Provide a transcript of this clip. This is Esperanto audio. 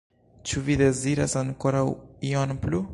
Ĉu vi deziras ankoraŭ ion plu?